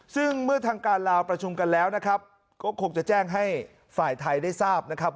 ซึ่งเมื่อทางการลาวประชุมกันแล้วก็คงคงจะแจ้งให้ฝ่ายไทยได้ทราบ